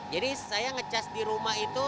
jadi saya nge charge di rumah itu